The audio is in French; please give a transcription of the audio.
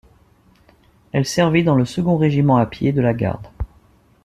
Elle servit dans le Second Régiment à pied de la Garde.